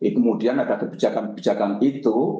kemudian ada kebijakan kebijakan itu